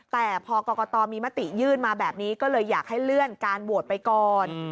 แต่พอกรกตมีมติยื่นมาแบบนี้ก็เลยอยากให้เลื่อนการโหวตไปก่อน